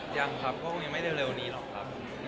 ยังครับก็คงยังไม่เร็วนี้หรอกครับ